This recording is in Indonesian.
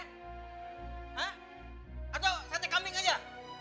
nah atau sate kambing aja